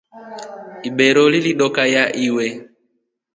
Ibero lilidookaya iwe.